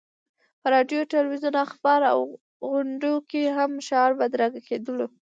په راډیو، تلویزیون، اخبار او غونډو کې همدا شعار بدرګه کېدلو.